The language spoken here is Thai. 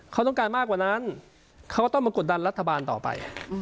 เขาต้องการมากกว่านั้นเขาก็ต้องมากดดันรัฐบาลต่อไป